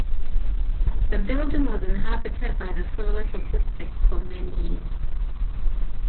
The building was inhabited by the followers of this sect for many years.